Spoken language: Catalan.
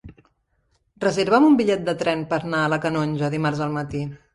Reserva'm un bitllet de tren per anar a la Canonja dimarts al matí.